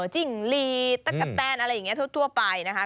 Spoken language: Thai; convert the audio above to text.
จิ้งลีตะกะแตนอะไรอย่างนี้ทั่วไปนะคะ